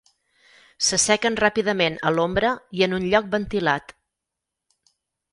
S'assequen ràpidament a l'ombra i en un lloc ventilat.